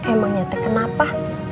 emang nyetek kenapa